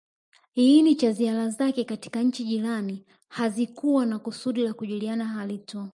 iini cha ziara zake katika nchi jirani hakikuwa na kusudi la kujuliana hali tu